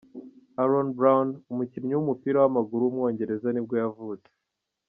Aaron Brown, umukinnyi w’umupira w’amaguru w’umwongereza nibwo yavutse.